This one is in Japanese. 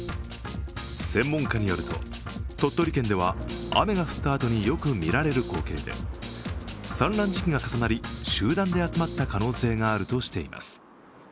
専門家によると、鳥取県では雨が降ったあとによくみられる光景で産卵時期が重なり集団で集まった可能性があるとしています。